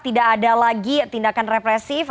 tidak ada lagi tindakan represif